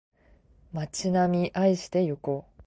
街並み愛していこう